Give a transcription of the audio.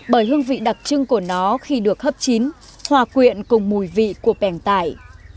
bởi hương vị đặc trưng của nó khi được hấp chín hòa quyện cùng mùi vị của bẻng tải